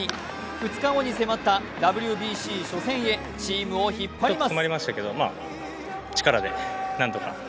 ２日後に迫ったＷＢＣ初戦へ、チームを引っ張ります。